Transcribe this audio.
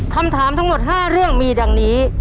คำถามทั้งหมด๕เรื่องมีดังนี้